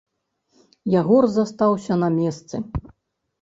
Ягор застаўся на месцы.